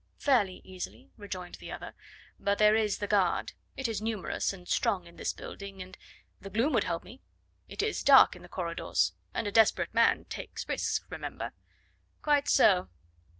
"Fairly easily," rejoined the other; "but there is the guard; it is numerous and strong in this building, and " "The gloom would help me; it is dark in the corridors, and a desperate man takes risks, remember " "Quite so!